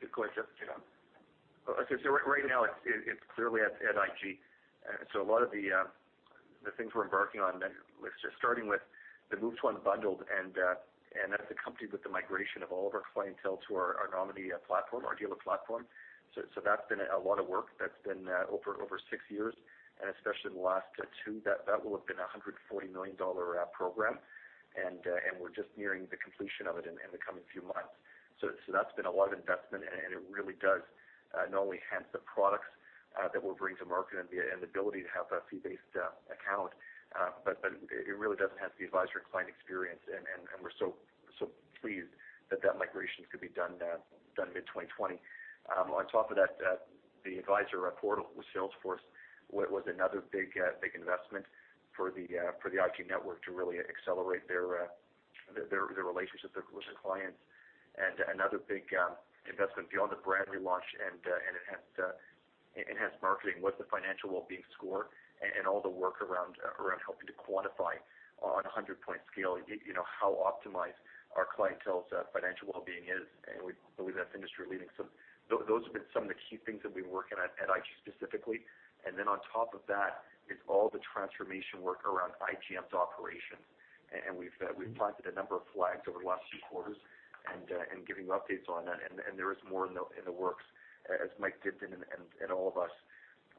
good question, Scott. So right now it's clearly at IG. So a lot of the things we're embarking on, then let's just start with the move to unbundled, and that's accompanied with the migration of all of our clientele to our nominee platform, our dealer platform. So that's been a lot of work. That's been over six years, and especially the last two, that will have been 140 million dollar program. And we're just nearing the completion of it in the coming few months. So that's been a lot of investment, and it really does not only enhance the products that we'll bring to market and the ability to have a fee-based account, but it really does enhance the advisor client experience. And we're so pleased that that migration could be done mid-2020. On top of that, the advisor portal with Salesforce was another big investment for the IG network to really accelerate their relationship with the clients. And another big investment beyond the brand relaunch and enhanced marketing was the financial well-being score, and all the work around helping to quantify on a 100-point scale, you know, how optimized our clientele's financial well-being is. And we believe that's industry leading. So those have been some of the key things that we've been working on at IG specifically. And then on top of that is all the transformation work around IGM's operation. And we've planted a number of flags over the last few quarters, and giving you updates on that. And there is more in the works, as Mike Dibden and all of us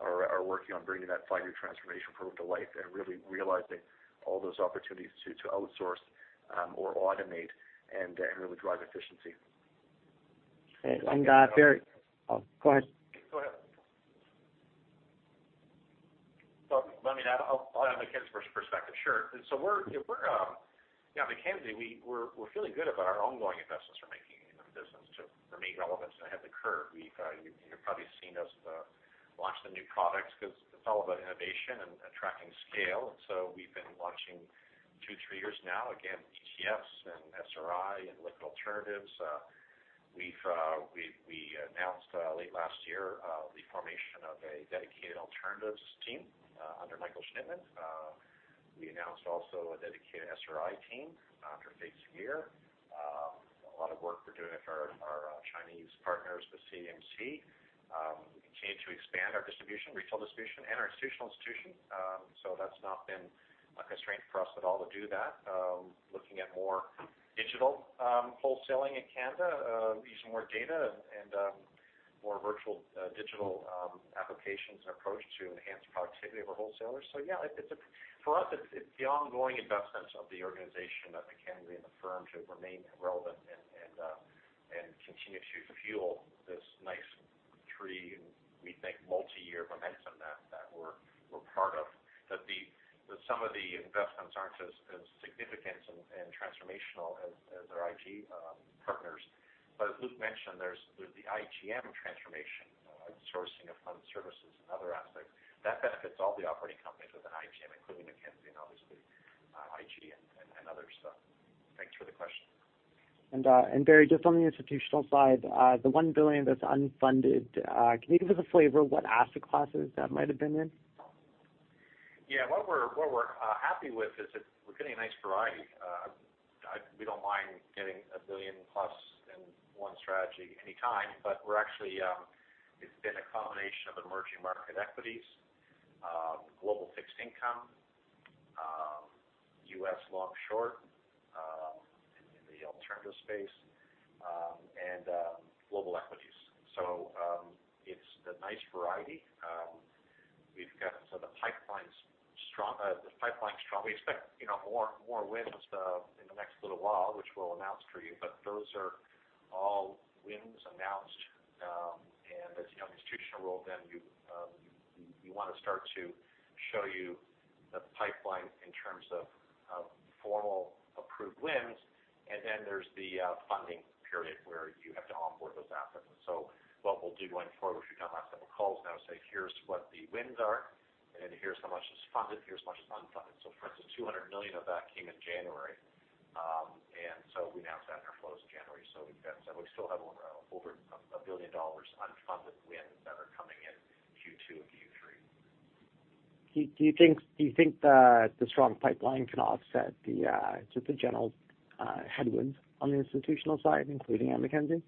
are working on bringing that five-year transformation program to life, and really realizing all those opportunities to outsource or automate, and really drive efficiency. Barry- Oh, go ahead. Go ahead. Well, let me add Mackenzie perspective, sure. And so we're, you know, Mackenzie, feeling good about our ongoing investments we're making in the business to remain relevant ahead of the curve. We've, you've probably seen us launch the new products, 'cause it's all about innovation and attracting scale. So we've been launching 2, 3 years now, again, ETFs and SRI and liquid alternatives. We've announced late last year the formation of a dedicated alternatives team under Michael Schnitman. We announced also a dedicated SRI team under Fate Saghir. A lot of work we're doing with our Chinese partners, the ChinaAMC. We continue to expand our distribution, retail distribution, and our institutional distribution. So that's not been a constraint for us at all to do that. Looking at more digital wholesaling in Canada, using more data and more virtual digital applications and approach to enhance productivity of our wholesalers. So yeah, it's for us, it's the ongoing investments of the organization at Mackenzie and the firm to remain relevant and continue to fuel this nice trajectory, and we think multi-year momentum that we're part of. That some of the investments aren't as significant and transformational as our IG partners. But as Luke mentioned, there's the IGM transformation, outsourcing of fund services and other aspects. That benefits all the operating companies within IGM, including Mackenzie, and obviously IG and others. So thanks for the question. Barry, just on the institutional side, the 1 billion that's unfunded, can you give us a flavor of what asset classes that might have been in? Yeah. What we're happy with is that we're getting a nice variety. We don't mind getting a billion plus in one strategy anytime, but we're actually, it's been a combination of emerging market equities, global fixed income, U.S. long, short, in the alternative space, and global equities. So, it's a nice variety. We've got... So the pipeline's strong, the pipeline's strong. We expect, you know, more wins, in the next little while, which we'll announce for you, but those are all wins announced. And as you know, in the institutional world, then you, you want to start to show you the pipeline in terms of formal approved wins, and then there's the funding period, where you have to onboard those assets. So what we'll do going forward, which we've done last several calls, now say: Here's what the wins are, and here's how much is funded, here's how much is unfunded. So for instance, 200 million of that came in January. And so we announced that in our flows in January, so we've got so we still have over, over 1 billion dollars unfunded wins that are coming in Q2 and Q3. Do you think that the strong pipeline can offset just the general headwinds on the institutional side, including at Mackenzie,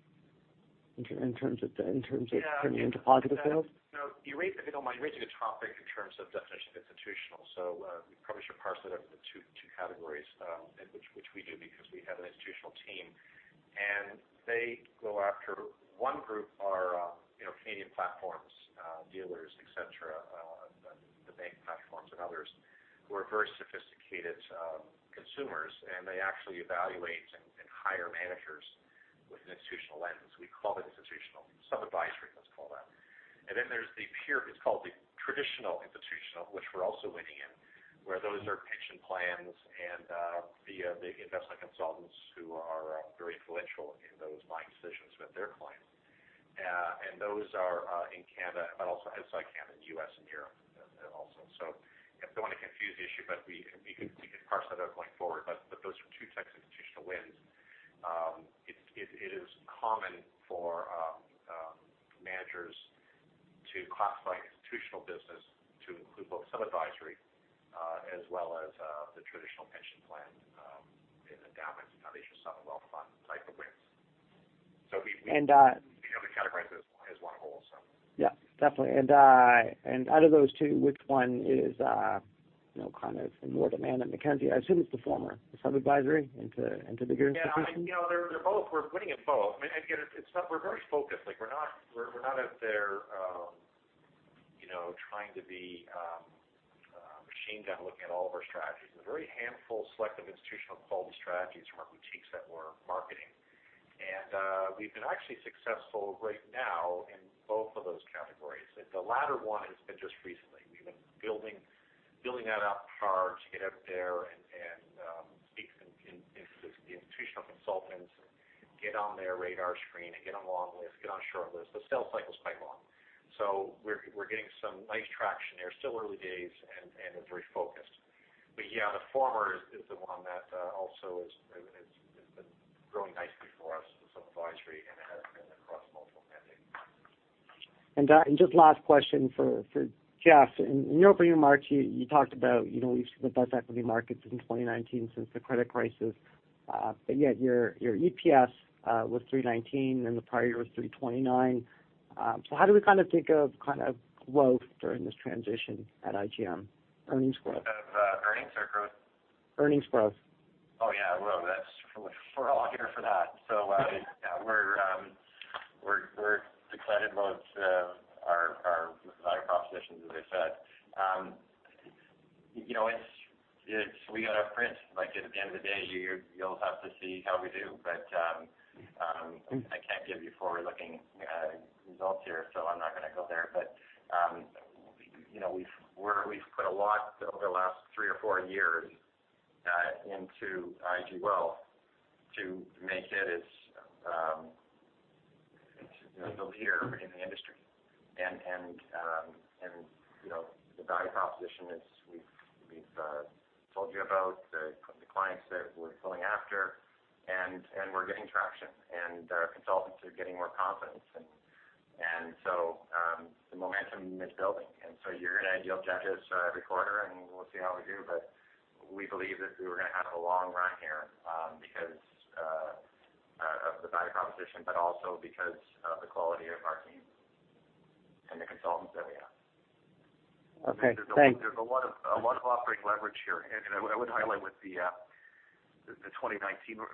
in terms of? Yeah turning into positive flows? So you raise, if you don't mind, you raise a good topic in terms of definition of institutional. So, we probably should parse it up into two, two categories, and which, which we do because we have an institutional team. And they go after... One group are, you know, Canadian platforms, dealers, et cetera, and the bank platforms and others, who are very sophisticated, consumers, and they actually evaluate and hire managers with an institutional lens. We call it institutional, sub-advisory, let's call that. And then there's the pure, it's called the traditional institutional, which we're also winning in. Where those are pension plans and the investment consultants who are very influential in those buying decisions with their clients. And those are in Canada, but also outside Canada, U.S. and Europe, also. So don't want to confuse the issue, but we could parse that out going forward, but those are two types of institutional wins. It is common for managers to classify institutional business to include both sub-advisory as well as the traditional pension plan and endowments, foundations, sovereign wealth fund type of wins. So we And, uh- we only categorize it as one whole, so. Yeah, definitely. Out of those two, which one is, you know, kind of in more demand at Mackenzie? I assume it's the former, the sub-advisory into the bigger institutions? Yeah, I mean, you know, they're both, we're winning in both. I mean, again, it's not we're very focused, like we're not, we're not out there, you know, trying to be machine gun, looking at all of our strategies. There are very handful selective institutional quality strategies from our boutiques that we're marketing. And we've been actually successful right now in both of those categories. The latter one has been just recently. We've been building that out hard to get out there and consultants get on their radar screen and get on long list, get on short list. The sales cycle is quite long. So we're getting some nice traction there. Still early days, and it's very focused. But yeah, the former is the one that also is; it's been growing nicely for us with some advisory, and it has been across multiple mandates. And just last question for Jeff. In your opening remarks, you talked about, you know, we've seen the best equity markets in 2019 since the credit crisis. But yet your EPS was 3.19, and the prior year was 3.29. So how do we kind of think of kind of growth during this transition at IGM, earnings growth? Of earnings or growth? Earnings growth. Oh, yeah, well, that's. We're all here for that. So, yeah, we're excited about our value propositions, as I said. You know, it's we got to print, like, at the end of the day, you'll have to see how we do. But, I can't give you forward-looking results here, so I'm not going to go there. But, you know, we've put a lot over the last three or four years into IG Wealth to make it, you know, the leader in the industry. And, you know, the value proposition is we've told you about the clients that we're going after, and we're getting traction, and our consultants are getting more confidence. And so, the momentum is building. You'll judge us every quarter, and we'll see how we do, but we believe that we were going to have a long run here, because of the value proposition, but also because of the quality of our team and the consultants that we have. Okay, thanks. There's a lot of, a lot of operating leverage here. I would highlight with the 2019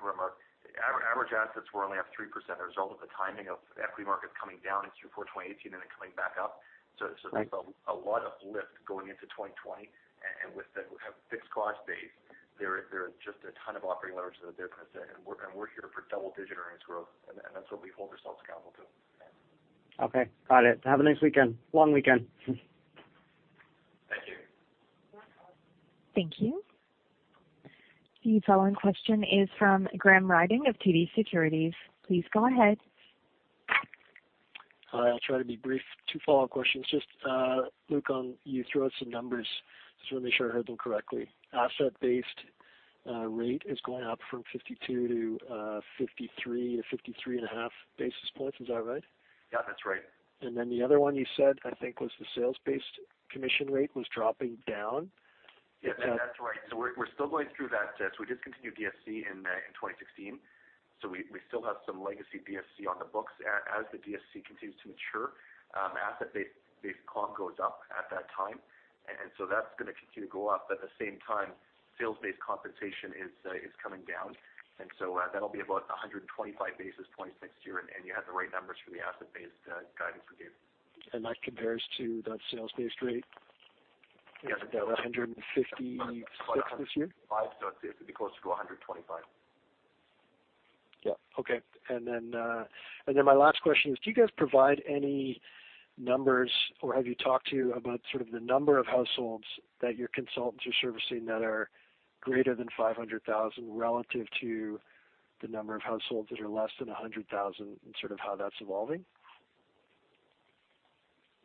remark. Average assets were only up 3%, a result of the timing of equity markets coming down in Q4 2018 and then coming back up. Right. So there's a lot of lift going into 2020. And with the fixed cost base, there is just a ton of operating leverage to the business, and we're here for double-digit earnings growth, and that's what we hold ourselves accountable to. Okay, got it. Have a nice weekend, long weekend. Thank you. Thank you. The following question is from Graham Ryding of TD Securities. Please go ahead. Hi, I'll try to be brief. Two follow-up questions. Just, Luke, on you threw out some numbers, just want to make sure I heard them correctly. Asset-based rate is going up from 52 to 53 or 53.5 basis points. Is that right? Yeah, that's right. And then the other one you said, I think, was the sales-based commission rate was dropping down? Yeah, that's right. So we're still going through that. So we discontinued DSC in 2016, so we still have some legacy DSC on the books. As the DSC continues to mature, asset-based comp goes up at that time. And so that's going to continue to go up. At the same time, sales-based compensation is coming down, and so that'll be about 125 basis points next year, and you have the right numbers for the asset-based guidance we gave. And that compares to that sales-based rate? Yes. About 156 this year? 5, so it'd be closer to 125. Yeah. Okay. And then, and then my last question is, do you guys provide any numbers, or have you talked to about sort of the number of households that your consultants are servicing that are greater than 500,000, relative to the number of households that are less than 100,000, and sort of how that's evolving?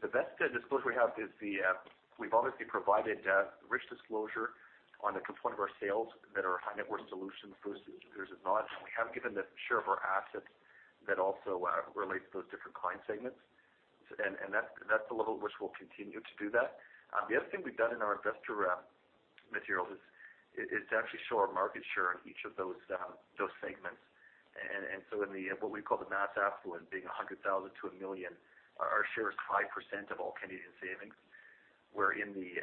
The best disclosure we have is the, we've obviously provided, rich disclosure on the component of our sales that are high net worth solutions versus not. And we have given the share of our assets that also, relate to those different client segments. So and, and that's, that's the level which we'll continue to do that. The other thing we've done in our investor, materials is, is to actually show our market share in each of those, those segments. And, and so in the, what we call the mass affluent, being 100,000-1,000,000, our, our share is 5% of all Canadian savings. Where in the,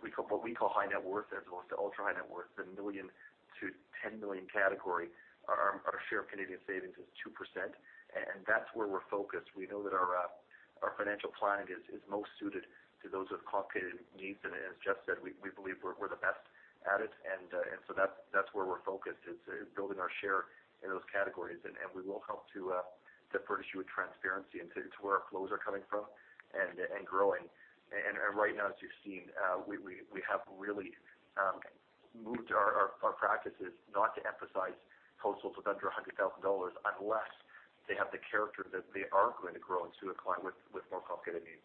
we call- what we call high net worth, as opposed to ultra high net worth, the 1 million-10 million category, our, our share of Canadian savings is 2%, and that's where we're focused. We know that our, our financial planning is, is most suited to those with complicated needs. And as Jeff said, we, we believe we're, we're the best at it. And, and so that's, that's where we're focused, is building our share in those categories. And, and we will help to, to furnish you with transparency into, to where our flows are coming from and, and growing. Right now, as you've seen, we have really moved our practices not to emphasize households with under 100,000 dollars, unless they have the character that they are going to grow into a client with more complicated needs.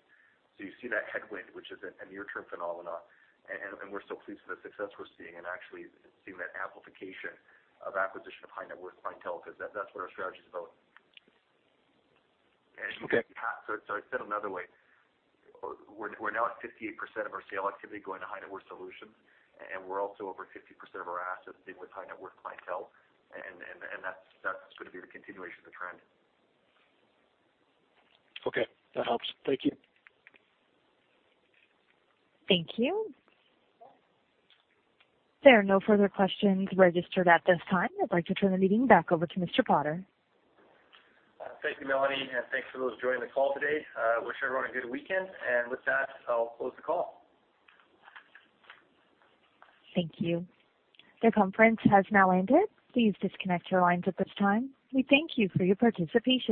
So you see that headwind, which is a near-term phenomenon, and we're still pleased with the success we're seeing and actually seeing that amplification of acquisition of high net worth clientele, because that's where our strategy is about. Okay. So, said another way, we're now at 58% of our sales activity going to high net worth solutions, and we're also over 50% of our assets sitting with high net worth clientele. And that's going to be the continuation of the trend. Okay, that helps. Thank you. Thank you. There are no further questions registered at this time. I'd like to turn the meeting back over to Mr. Potter. Thank you, Melanie, and thanks for those joining the call today. Wish everyone a good weekend, and with that, I'll close the call. Thank you. The conference has now ended. Please disconnect your lines at this time. We thank you for your participation.